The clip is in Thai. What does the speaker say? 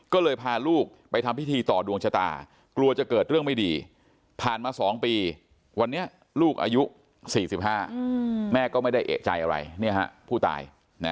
ก็เลยพาลูกไปทำพิธีต่อดวงชะตากลัวจะเกิดเรื่องไม่ดีผ่านมา๒ปีวันนี้ลูกอายุ๔๕แม่ก็ไม่ได้เอกใจอะไรผู้ตาย